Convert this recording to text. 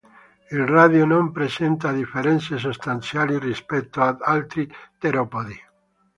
Il radio non presenta differenze sostanziali rispetto ad altri teropodi.